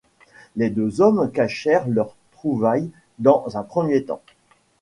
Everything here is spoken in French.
Les deux hommes cachèrent leur trouvaille dans un premier temps.